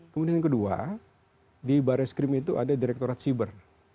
kemudian yang kedua di barreskrim itu ada direktorat siber